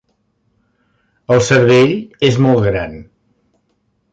El cervell és molt gran.